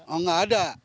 oh nggak ada